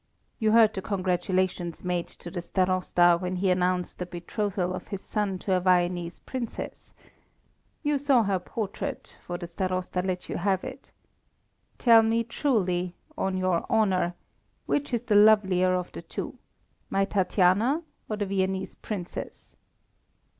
You heard the congratulations made to the Starosta when he announced the betrothal of his son to a Viennese Princess; you saw her portrait, for the Starosta let you have it. Tell me truly, on your honour, which is the lovelier of the two, my Tatiana or the Viennese Princess?"